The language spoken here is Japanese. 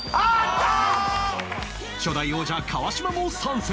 初代王者川島も参戦